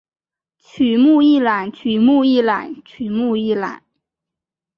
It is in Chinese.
曲目一览曲目一览曲目一览